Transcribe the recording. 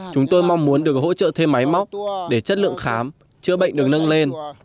chúng tôi mong muốn được hỗ trợ thêm máy móc để chất lượng khám chữa bệnh được nâng lên